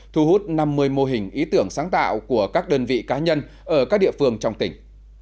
thu hút năm mươi mô hình ý tưởng sáng tạo của các đơn vị cá nhân ở các địa phương trong tỉnh